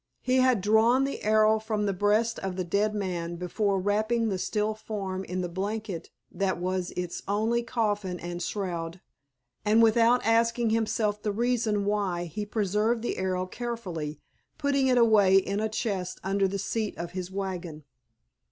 He had drawn the arrow from the breast of the dead man before wrapping the still form in the blanket that was its only coffin and shroud, and without asking himself the reason why he preserved the arrow carefully, putting it away in a chest under the seat of his wagon.